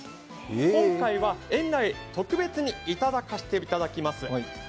今回は、園内特別に頂かせていただきます。